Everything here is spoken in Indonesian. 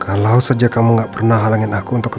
karena kamu ini tidak akan berhasil